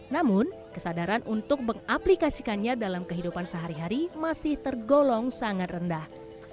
namun kesadaran untuk mengaplikasikannya dalam kehidupan sehari hari masih tergolong sangat rendah